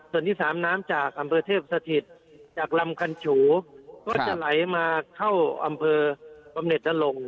ส่วนที่สามน้ำจากอำเภอเทพสถิตจากลำคันฉูก็จะไหลมาเข้าอำเภอบำเน็ตนลง